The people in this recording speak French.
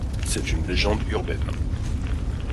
C'est une légende urbaine.